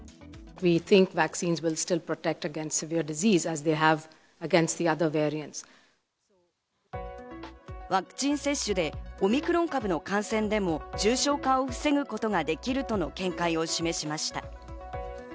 ワクチン接種でオミクロン株の感染でも、重症化を防ぐことができるとの見解を示しました。